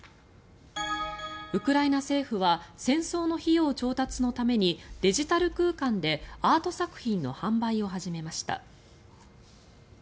ウクライナ政府は戦争の費用調達のためにデジタル空間でアート作品の販売を始めました。